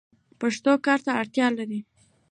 پښتو کار ته اړتیا لري.